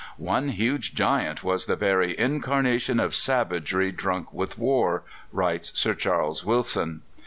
"One huge giant was the very incarnation of savagery drunk with war," writes Sir Charles Wilson.